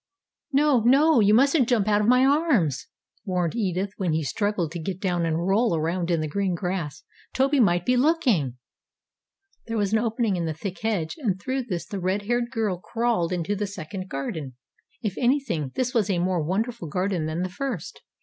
"No, no, you mustn't jump out of my arms!" warned Edith when he struggled to get down and roll around in the green grass. "Toby might be looking." There was an opening in the thick hedge, and through this the red haired girl crawled into the second garden. If anything, this was a more wonderful garden than the first.